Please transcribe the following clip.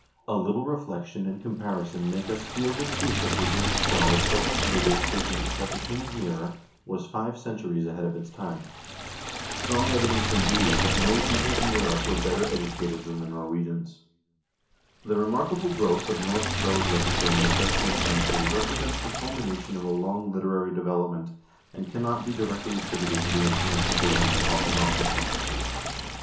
A little reflection and comparison make us feel the truth of the great scholar Sophus Bugge's statement that "The King's Mirror" "was five centuries ahead of its time." Strong evidence, indeed, that no people in Europe were better educated than the Norwegians. The remarkable growth of Norse prose literature in the thirteenth century represents the culmination of a long literary development, and cannot be directly attributed to the influence of the reign of Haakon Haakonsson.